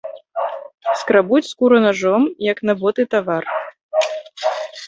Скрабуць скуру нажом, як на боты тавар.